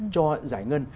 cho giải ngân